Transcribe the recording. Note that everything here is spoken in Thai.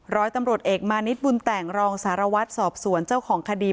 ร้อยตำรวจเอกมานิดบุญแต่งรองสารวัตรสอบสวนเจ้าของคดี